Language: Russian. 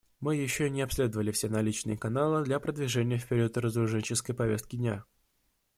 Мы еще не обследовали все наличные каналы для продвижения вперед разоруженческой повестки дня.